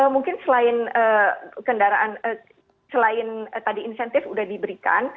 mungkin selain kendaraan selain tadi insentif sudah diberikan